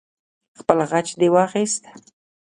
خپل غچ دې واخست.